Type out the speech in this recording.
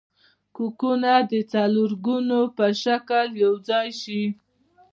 کوکونه د څلورګونو په شکل یوځای شي.